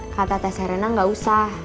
kata teserena gak usah